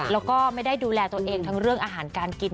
แล้วก็ไม่ได้ดูแลตัวเองทั้งเรื่องอาหารการกิน